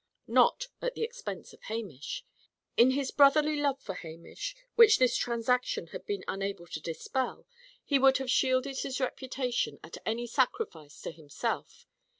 Not at the expense of Hamish. In his brotherly love for Hamish, which this transaction had been unable to dispel, he would have shielded his reputation at any sacrifice to himself.